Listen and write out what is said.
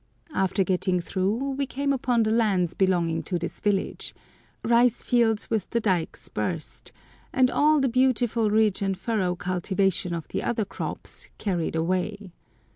After getting through, we came upon the lands belonging to this village—rice fields with the dykes burst, and all the beautiful ridge and furrow cultivation of the other crops carried away.